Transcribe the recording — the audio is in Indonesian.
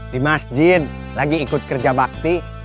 di masjid lagi ikut kerja bakti